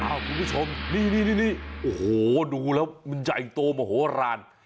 คุณผู้ชมนี่โอ้โหดูแล้วมันใหญ่โตมโหลาน